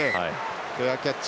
フェアキャッチ。